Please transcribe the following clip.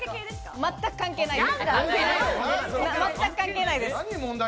まったく関係ないです。